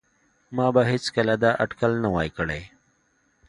ما به هیڅکله دا اټکل نه وای کړی